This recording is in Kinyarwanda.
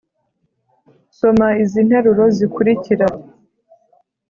soma izi interuro zikurikira,